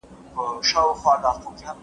ایا بدګوماني پیدا سوې ده؟